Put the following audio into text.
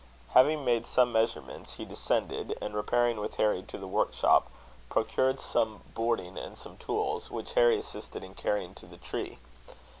Having made some measurements, he descended; and repairing with Harry to the work shop, procured some boarding and some tools, which Harry assisted in carrying to the tree.